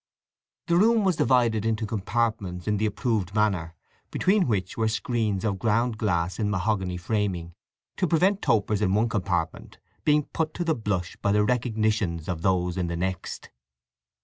The room was divided into compartments in the approved manner, between which were screens of ground glass in mahogany framing, to prevent topers in one compartment being put to the blush by the recognitions of those in the next.